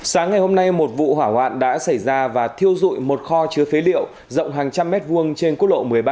sáng ngày hôm nay một vụ hỏa hoạn đã xảy ra và thiêu dụi một kho chứa phế liệu rộng hàng trăm mét vuông trên quốc lộ một mươi ba